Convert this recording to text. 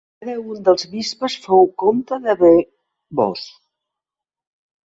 Cada un dels bisbes fou comte de Beauvais.